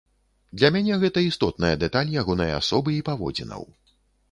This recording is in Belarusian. Для мяне гэта істотная дэталь ягонай асобы і паводзінаў.